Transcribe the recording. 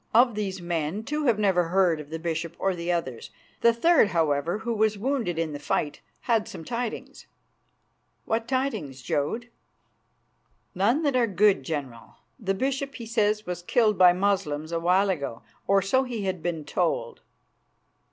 Of these men two have never heard of the bishop or the others. The third, however, who was wounded in the fight, had some tidings." "What tidings, Jodd?" "None that are good, General. The bishop, he says, was killed by Moslems a while ago, or so he had been told."